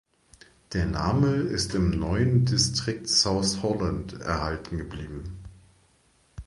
Der Name ist im neuen Distrikt South Holland erhalten geblieben.